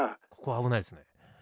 危ないですよ。